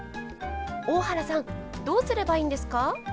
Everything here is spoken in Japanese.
大原さんどうすればいいんですか？